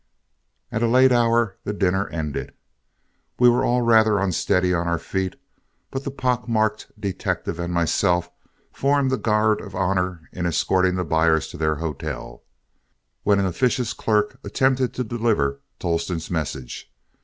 At a late hour the dinner ended. We were all rather unsteady on our feet, but the pock marked detective and myself formed a guard of honor in escorting the buyers to their hotel, when an officious clerk attempted to deliver Tolleston's message.